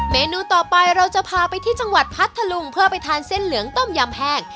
เมนูต่อไปเราจะพาไปที่จังหวัดพัทธลุงเพื่อไปทานเส้นเหลืองต้มยำแห้ง